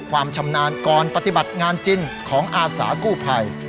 ความชำนาญก่อนปฏิบัติงานจริงของอาสากู้ภัย